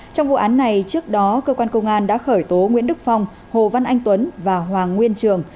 trong vụ án này trước đó cơ quan công an đã khởi tố nguyễn đức phong hồ văn anh tuấn và hoàng nguyên trường